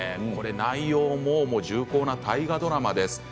内容も重厚な大河ドラマです。